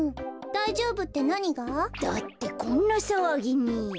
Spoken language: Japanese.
「だいじょうぶ」ってなにが？だってこんなさわぎに。